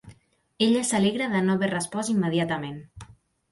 Ella s'alegra de no haver respost immediatament.